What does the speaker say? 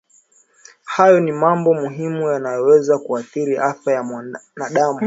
Hayo ni mambo muhimu yanayoweza kuathiri afya ya mwanadamu